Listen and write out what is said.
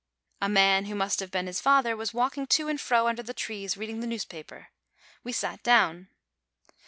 A man, who must have been his father, was walking to and fro under the trees, VANITY 59 reading the newspaper. We sat down.